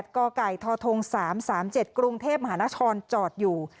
๘กกท๓๓๗กรุงเทพฯมหานชจอดอยู่